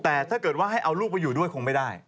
แต่ถ้าเกิดว่าให้เอาลูกไปอยู่ด้วยคงไม่ได้